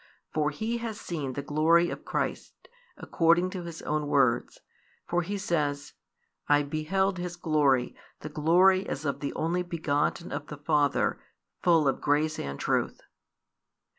For he has seen the glory of Christ, according to his own words, for he says: I beheld His glory, the glory as of the Only begotten of the Father, full of grace and truth.